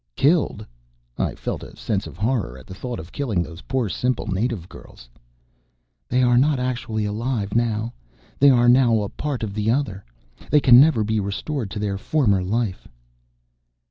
"Killed?" I felt a sense of horror at the thought of killing those poor simple native girls. "They are not actually alive now. They are now a part of the Other. They can never be restored to their former life."